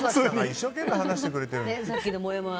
一生懸命話してくれてるのに。